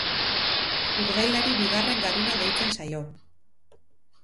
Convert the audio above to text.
Urdailari bigarren garuna deitzen zaio.